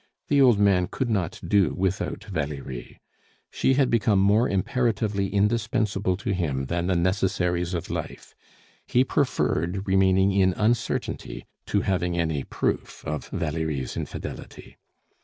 The old man could not do without Valerie. She had become more imperatively indispensable to him than the necessaries of life; he preferred remaining in uncertainty to having any proof of Valerie's infidelity.